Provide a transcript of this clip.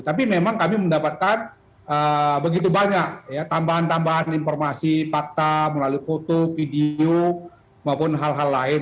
tapi memang kami mendapatkan begitu banyak ya tambahan tambahan informasi fakta melalui foto video maupun hal hal lain